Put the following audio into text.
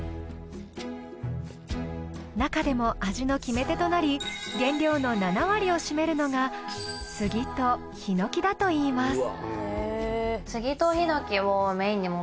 なかでも味の決め手となり原料の７割を占めるのがスギとヒノキだといいます。